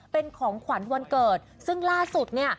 เป็นของขวัญวันเกิดซึ่งล่าสุดเนี่ย